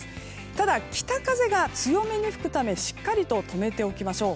ただ、北風が強めに吹くためしっかりと留めておきましょう。